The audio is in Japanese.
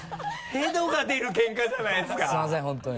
ヘドが出るケンカじゃないですかすみません本当に。